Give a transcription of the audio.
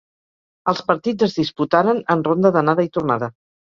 Els partits es disputaren en ronda d'anada i tornada.